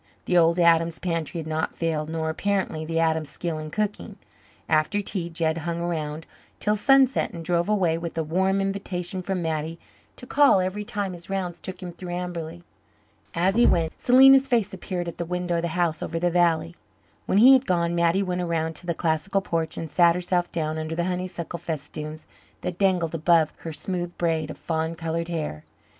The old Adams pantry had not failed, nor apparently the Adams skill in cooking. After tea Jed hung around till sunset and drove away with a warm invitation from Mattie to call every time his rounds took him through Amberley. As he went, Selena's face appeared at the window of the house over the valley. When he had gone Mattie went around to the classical porch and sat herself down under the honeysuckle festoons that dangled above her smooth braids of fawn coloured hair.